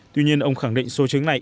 tuy nhiên ông khẳng định số trứng này